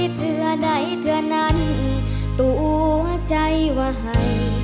เถือนใดเถือนนั้นตัวใจว่าย